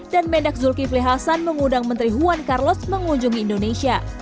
dan mendak zulkifli hasan mengundang menteri juan carlos mengunjungi indonesia